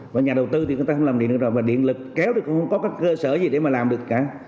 và nhà đầu tư thì người ta không làm điện được rồi mà điện lực kéo thì cũng không có các cơ sở gì để mà làm được cả